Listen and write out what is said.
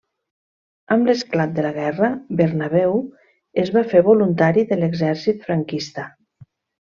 Amb l'esclat de la Guerra, Bernabéu es va fer voluntari de l'exèrcit franquista.